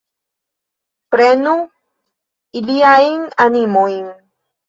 Prenu iliajn animojn!